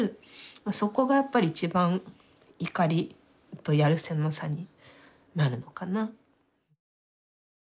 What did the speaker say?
そこがやっぱり一番怒りとやるせなさになるのかな。